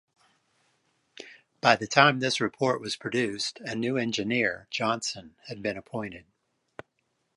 By the time this report was produced a new engineer, Johnson, had been appointed.